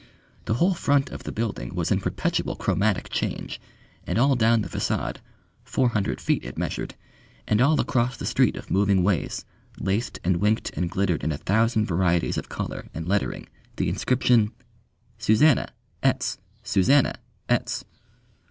The whole front of the building was in perpetual chromatic change, and all down the façade four hundred feet it measured and all across the street of moving ways, laced and winked and glittered in a thousand varieties of colour and lettering the inscription SUZANNA! 'ETS! SUZANNA! 'ETS!